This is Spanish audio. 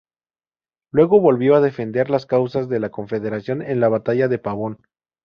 Luego volvió a defender las causas de la Confederación en la batalla de Pavón.